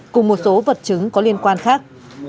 cùng một số vật chứng có liên quan khác